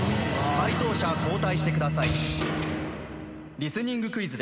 解答者交代してください。